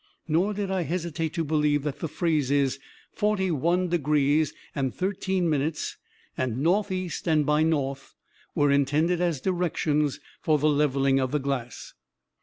Nor did I hesitate to believe that the phrases, 'forty one degrees and thirteen minutes,' and 'northeast and by north,' were intended as directions for the levelling of the glass.